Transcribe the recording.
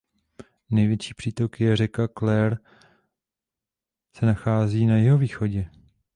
Největší přítok je řeka Clare se nachází na jihovýchodě.